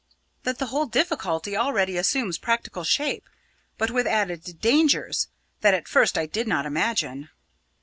"That the whole difficulty already assumes practical shape; but with added dangers, that at first I did not imagine."